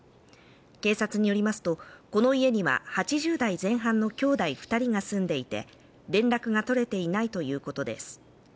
警察によりますとこの家には８０代前半の兄弟二人が住んでいて連絡が取れていないということです